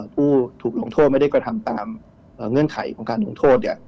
ผู้ถูกลงโทษไม่ได้กระทำตามเงื่อนไขของการลงโทษ